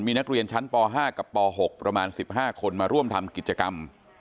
มีนักเรียนชั้นป๕กับป๖ประมาณ๑๕คนมาร่วมทำกิจกรรม